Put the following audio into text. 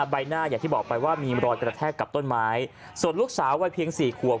ใบหน้าอย่างที่บอกไปว่ามีรอยกระแทกกับต้นไม้ส่วนลูกสาววัยเพียงสี่ขวบ